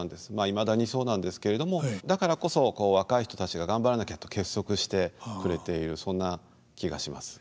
いまだにそうなんですけれどもだからこそ若い人たちが頑張らなきゃと結束してくれているそんな気がします。